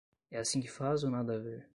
É assim que faz ou nada a ver?